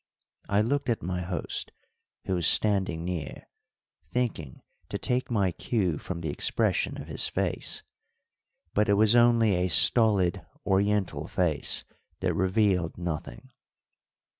I looked at my host, who was standing near, thinking to take my cue from the expression of his face; but it was only a stolid Oriental face that revealed nothing.